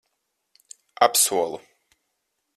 Apsolu.